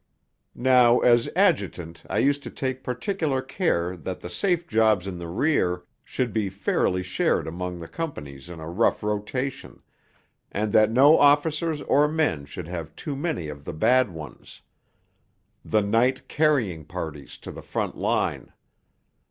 Now as adjutant I used to take particular care that the safe jobs in the rear should be fairly shared among the companies in a rough rotation, and that no officers or men should have too many of the bad ones the night carrying parties to the front line.